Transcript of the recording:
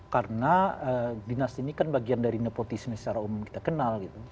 karena dinasti ini kan bagian dari nepotisme secara umum kita kenal gitu